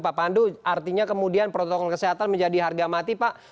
pak pandu artinya kemudian protokol kesehatan menjadi harga mati pak